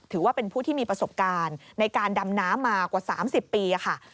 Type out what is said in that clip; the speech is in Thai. ถือว่าเป็นผู้ที่มีประสบการณ์ในการดำน้ำมากว่า๓๐ปีค่ะ